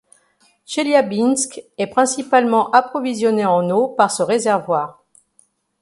Tcheliabinsk est principalement approvisionnée en eau par ce réservoir.